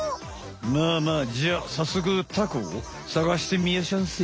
まあまあじゃあさっそくタコをさがしてみやしゃんせ。